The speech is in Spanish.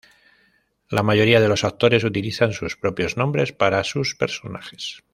La mayoría de los actores utilizan sus propios nombres para sus personajes.